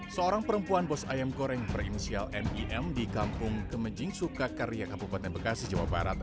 seorang perempuan bos ayam goreng berinisial mim di kampung kemejing sukakarya kabupaten bekasi jawa barat